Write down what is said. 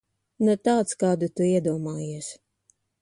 Ne tāds, kādu tu iedomājies.